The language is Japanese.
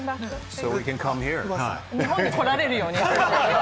日本に来られるように。